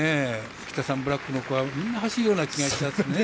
キタサンブラックの子はみんな走れるような気がしますね。